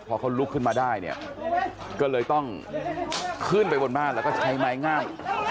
พอเขาลุกขึ้นมาได้เนี่ยก็เลยต้องขึ้นไปบนบ้านแล้วก็ใช้ไม้งาม